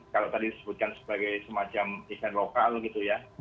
kalau tadi disebutkan sebagai semacam event lokal gitu ya